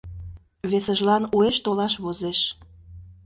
— Весыжлан уэш толаш возеш.